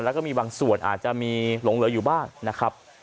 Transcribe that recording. แล้วก็มีบางส่วนอาจจะมีหลงเหลืออยู่บ้างนะครับ